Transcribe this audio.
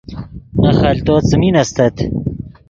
نے خلتو څیمین استت